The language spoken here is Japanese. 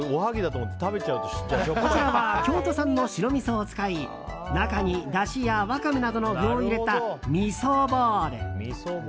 こちらは京都産の白みそを使い中に、だしやワカメなどの具を入れた、みそボール。